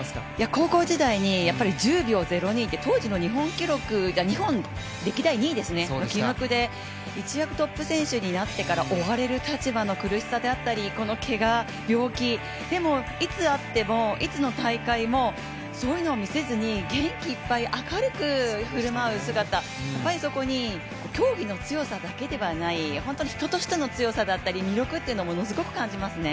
高校時代に１０秒０２って当時の日本歴代２位の記録で、一躍トップ選手になってから追われる立場の苦しさであったり、このけが病院、いつであっても、いつの大会もいつの大会も、そういうのを見せずに元気いっぱい、明るくふるまう姿やっぱり、そこに競技の強さだけではない本当に人としての強さだったり魅力っていうのもものすごく感じますね。